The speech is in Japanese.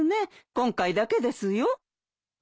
今回だけですよ。